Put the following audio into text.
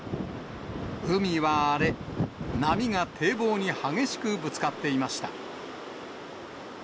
海は荒れ、波が堤防に激しくぶつかっていました。